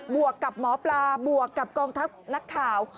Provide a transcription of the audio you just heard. วกกับหมอปลาบวกกับกองทัพนักข่าว